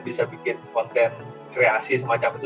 bisa bikin konten kreasi semacam itu